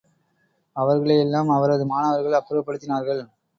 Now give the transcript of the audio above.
அவர்களை எல்லாம் அவரது மாணவர்கள் அப்புறப்படுத்தினார்கள்.